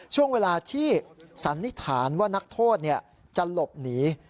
ช่วงเวลาที่สันนิษฐานว่านักโทษจะหลบหนี